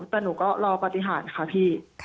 แต่หนูก็รอปฏิหารค่ะพี่